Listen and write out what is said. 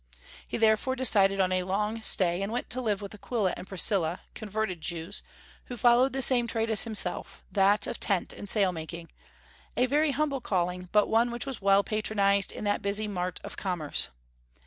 He therefore decided on a long stay, and went to live with Aquila and Priscilla, converted Jews, who followed the same trade as himself, that of tent and sail making, a very humble calling, but one which was well patronized in that busy mart of commerce.